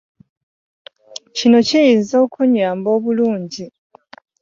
Kino kiyiinza okunyamba obulungi.